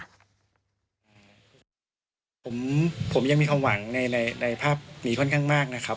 ผมยังมีความหวังในภาพนี้ค่อนข้างมากนะครับ